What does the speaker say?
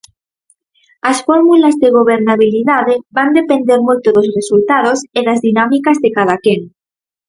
As fórmulas de gobernabilidade van depender moito dos resultados e das dinámicas de cadaquén.